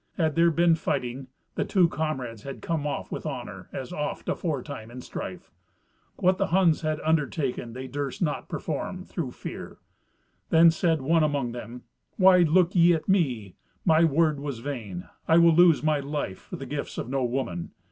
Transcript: Had there been fighting, the two comrades had come off with honour, as oft aforetime in strife. What the Huns had undertaken they durst not perform, through fear. Then said one among them, "Why look ye at me? My word was vain; I will lose my life for the gifts of no woman.